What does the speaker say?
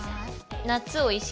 夏を意識。